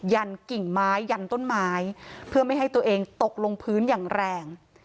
ยันกิ่งไม้ยันต้นไม้เพื่อไม่ให้ตัวเองตกลงพื้นอย่างแรง